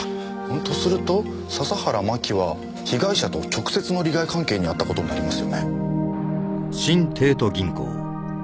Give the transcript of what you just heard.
とすると笹原真紀は被害者と直接の利害関係にあった事になりますよね。